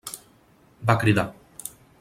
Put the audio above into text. Va cridar.